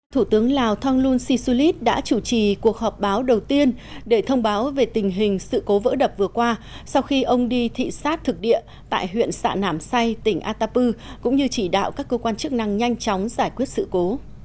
thủ tướng lào thonglun sisulit đã chủ trì cuộc họp báo đầu tiên để thông báo về tình hình sự cố vỡ đập vừa qua sau khi ông đi thị xát thực địa tại huyện sạn nàm say tỉnh atapu cũng như chỉ đạo các cơ quan chức năng nhanh chóng giải quyết sự cố